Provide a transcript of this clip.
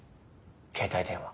携帯電話。